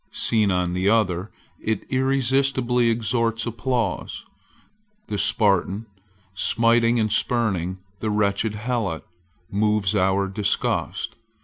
Seen on the other, it irresistibly extorts applause. The Spartan, smiting and spurning the wretched Helot, moves our disgust.